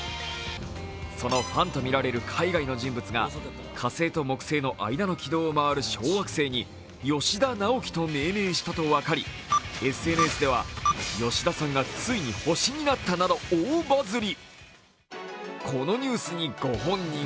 そのファンと見られる海外の人物が火星と木星の間の軌道を回る小惑星に、ヨシダナオキと命名したと分かりＳＮＳでは吉田さんがついに星になったなどと大バズり。